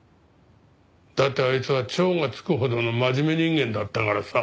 だってあいつは超が付くほどの真面目人間だったからさ。